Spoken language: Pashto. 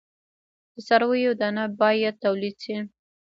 د څارویو دانه باید تولید شي.